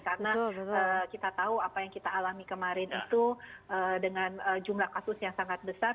karena kita tahu apa yang kita alami kemarin itu dengan jumlah kasus yang sangat besar